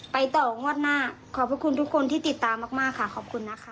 ไปต่องวดหน้าขอบพระคุณทุกคนที่ติดตามมากค่ะขอบคุณนะคะ